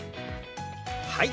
はい！